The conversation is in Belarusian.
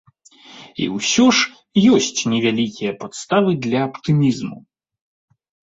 І ўсё ж ёсць невялікія падставы для аптымізму.